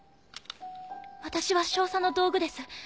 私は少佐の道具です。